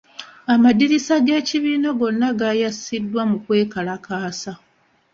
Amadirisa g'ekibiina gonna gaayasiddwa mu kwekalakaasa.